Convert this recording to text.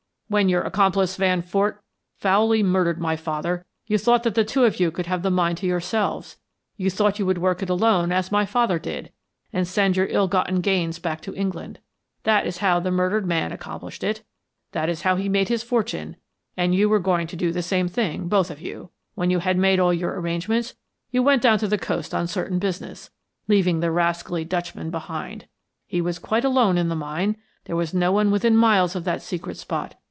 When your accomplice Van Fort foully murdered my father, you thought that the two of you would have the mine to yourselves; you thought you would work it alone as my father did, and send your ill gotten gains back to England. That is how the murdered man accomplished it, that is how he made his fortune and you were going to do the same thing, both of you. When you had made all your arrangements you went down to the coast on certain business, leaving the rascally Dutchman behind. He was quite alone in the mine, there was no one within miles of that secret spot.